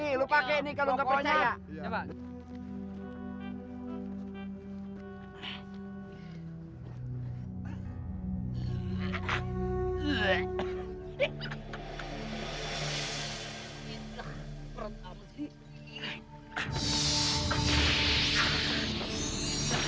nih lo pake nih kalo kepercaya